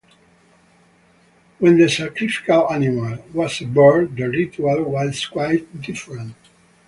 When the sacrificial animal was a bird, the ritual was quite different.